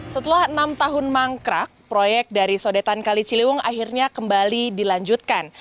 setelah enam tahun mangkrak proyek dari sodetan kali ciliwung akhirnya kembali dilanjutkan